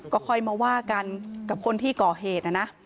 ก็ค่อยมาว่ากันกับคนที่ก่อเหตุนะนะ